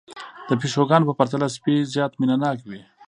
د پيشوګانو په پرتله سپي زيات مينه ناک وي